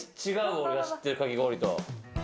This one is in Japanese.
俺が知ってるかき氷と。